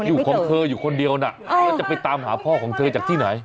อยู่ของเธออยู่คนเดียวนะแล้วจะไปตามหาพ่อของเธอจากที่ไหน